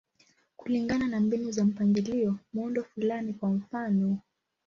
Kulingana na mbinu za mpangilio, muundo fulani, kwa mfano.